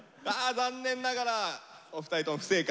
残念ながらお二人とも不正解。